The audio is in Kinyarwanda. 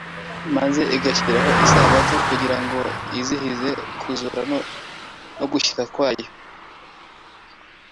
maze igashyiraho Isabato kugira ngo yizihize kuzura no gushyika kwawo